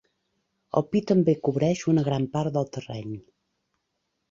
El pi també cobreix una gran part del terreny.